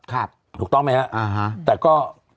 ถูกต้องไหมล่ะแต่ก็